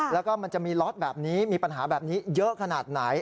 แล้วก็มันจะมีล็อตแบบนี้มีปัญหาแบบนี้เยอะขนาดไหน